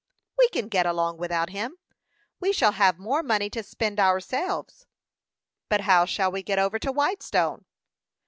"We can get along without him. We shall have more money to spend ourselves." "But how shall we get over to Whitestone?"